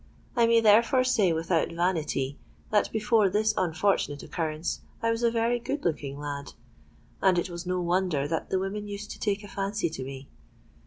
I may therefore say without vanity, that before this unfortunate occurrence I was a very good looking lad; and it was no wonder that the women used to take a fancy to me.